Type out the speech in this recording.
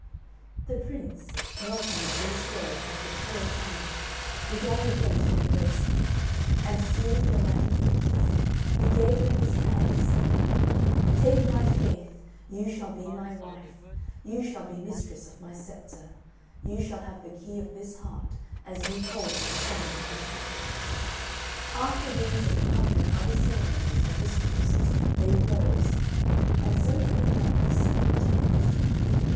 The Prince, melting at these words like a tallow candle, began again to embrace her; and sealing the latter with a kiss, he gave her his hand, saying, "Take my faith, you shall be my wife, you shall be mistress of my sceptre, you shall have the key of this heart, as you hold the helm of this life." After these and a hundred other ceremonies and discourses they arose. And so it went on for several days.